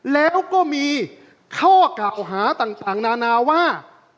แล้วก็มีข้อกล่าวหาต่างนานาว่า